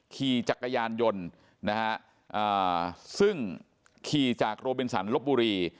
ขี่จักรยานยนต์นะฮะซึ่งขี่จากโรบินสันลบบุรี